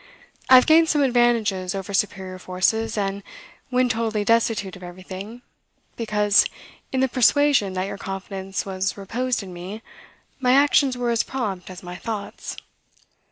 I have gained some advantages over superior forces, and when totally destitute of everything, because, in the persuasion that your confidence was reposed in me, my actions were as prompt as my thoughts."